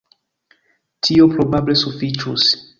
Tio probable sufiĉus.